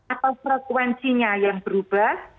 atau frekuensinya yang berubah